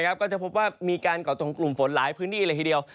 ก็จะพบว่ามีการก่อตรงกลุ่มฝนหลายพื้นที่เลยทีเดียว